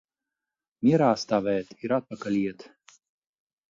Mierā stāvēt ir atpakaļ iet.